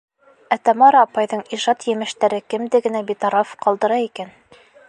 Ә Тамара апайҙың ижад емештәре кемде генә битараф ҡалдыра икән?